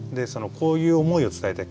こういう想いを伝えたい